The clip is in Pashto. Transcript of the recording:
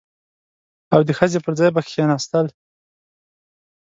او د ښځې پر ځای به کښېناستل.